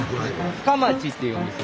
深町っていうんです。